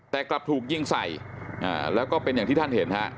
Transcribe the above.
แต่กลับถูกยิงใส่แล้วก็เป็นอย่างที่ท่านเห็นฮะ